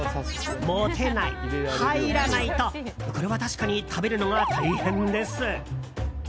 持てない、入らないとこれは確かに食べるのが大変です。